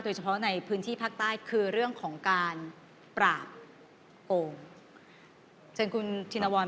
โดยเฉพาะในพื้นที่ภาคใต้คือเรื่องของการปราบโล่ง